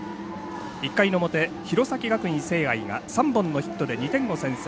１回の表、弘前学院聖愛が３本のヒットで２点を先制。